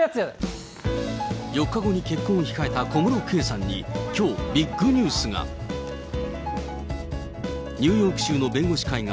４日後に結婚を控えた小室圭さんに、きょう、ビッグニュースが。